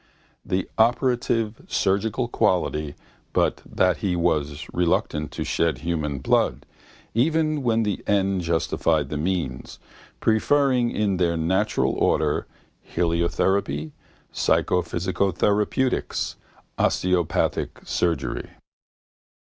The operative surgical quality but that he was reluctant to shed human blood even when the end justified the means, preferring, in their natural order, heliotherapy, psychophysicotherapeutics, osteopathic surgery.